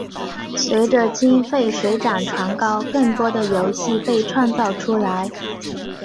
随着经费水涨船高更多的游戏被创造出来。